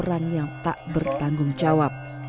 orang yang tak bertanggung jawab